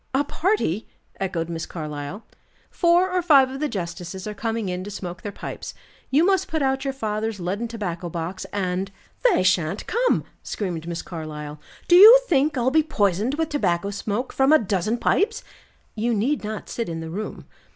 "A party!" echoed Miss Carlyle. "Four or five of the justices are coming in to smoke their pipes. You must put out your father's leaden tobacco box, and " "They shan't come!" screamed Miss Carlyle. "Do you think I'll be poisoned with tobacco smoke from a dozen pipes?" "You need not sit in the room."